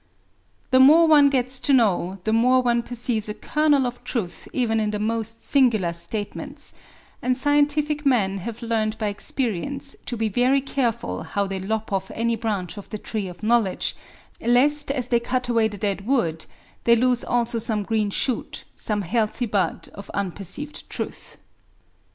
The more one gets to know, the more one perceives a kernel of truth even in the most singular statements; and scientific men have learned by experience to be very careful how they lop off any branch of the tree of knowledge, lest as they cut away the dead wood they lose also some green shoot, some healthy bud of unperceived truth.